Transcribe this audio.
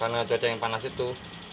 karena cuaca yang panas itu